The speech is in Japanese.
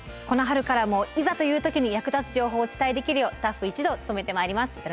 この春からもいざという時に役立つ情報をお伝えできるようスタッフ一同努めてまいります。